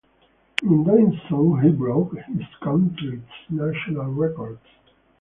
In doing so he broke his country’s National records.